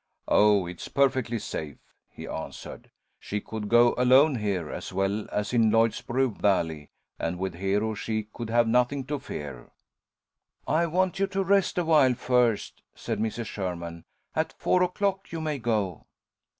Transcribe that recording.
"Oh, it's perfectly safe," he answered. "She could go alone here as well as in Lloydsboro Valley, and with Hero she could have nothing to fear." "I want you to rest awhile first," said Mrs. Sherman. "At four o'clock you may go."